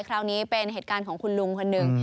คราวนี้เป็นเหตุการณ์ของคุณลุงคนหนึ่ง